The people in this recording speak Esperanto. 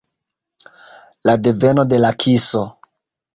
La deveno de la kiso.